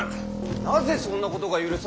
なぜそんなことが許される！